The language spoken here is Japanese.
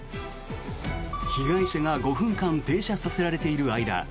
被害者が５分間停車させられている間